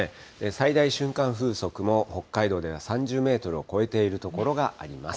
最大瞬間風速も北海道では３０メートルを超えている所があります。